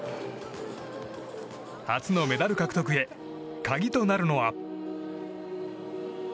初のメダル獲得へ鍵となるのは。